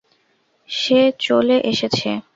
সে চলে এসেছে।